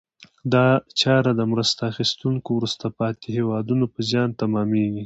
دا چاره د مرسته اخیستونکو وروسته پاتې هېوادونو په زیان تمامیږي.